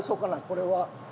これは？